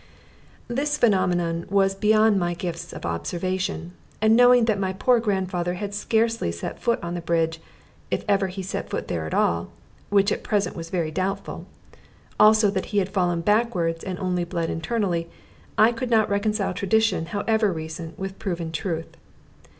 This phenomenon was beyond my gifts of observation; and knowing that my poor grandfather had scarcely set foot on the bridge, if ever he set foot there at all which at present was very doubtful also that he had fallen backward, and only bled internally, I could not reconcile tradition (however recent) with proven truth.